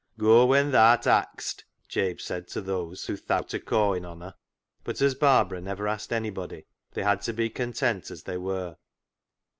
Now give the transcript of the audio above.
" Goa when th'art axed," Jabe said to those who " thowt o' cawin' on her," but as Barbara never asked anybody they had to be content as they were.